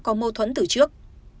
có mâu thuẫn từ trước